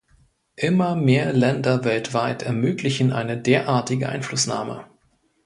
Immer mehr Länder weltweit ermöglichen eine derartige Einflussnahme.